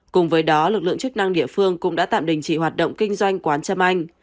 cùng với đó lực lượng chức năng địa phương cũng đã tạm đình chỉ hoạt động kinh doanh quán trâm anh